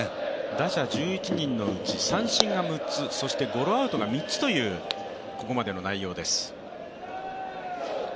打者１１人のうち三振が６つそしてゴロアウトが３つという、ここまでの内容です。